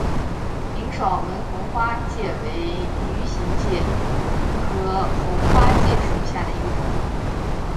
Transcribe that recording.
林爽文红花介为鱼形介科红花介属下的一个种。